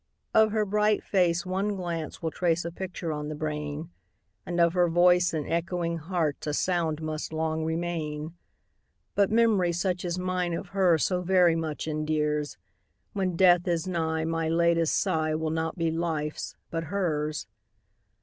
Of her bright face one glance will trace A picture on the brain, And of her voice in echoing hearts A sound must long remain; But memory, such as mine of her, So very much endears, When death is nigh my latest sigh Will not be life's, but hers.